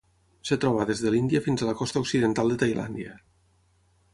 Es troba des de l'Índia fins a la costa occidental de Tailàndia.